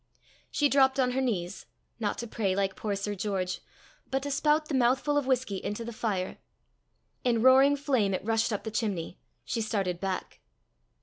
She dropped on her knees not to pray like poor Sir George but to spout the mouthful of whisky into the fire. In roaring flame it rushed up the chimney. She started back.